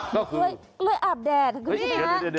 ก็คือกล้วยอาบแดด